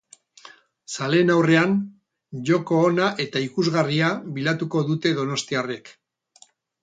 Zaleen aurrean, joko ona eta ikusgarria bilatuko dute donostiarrek.